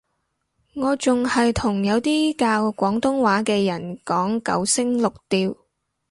我仲係同有啲教廣東話嘅人講九聲六調